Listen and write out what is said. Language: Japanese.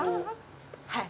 はい。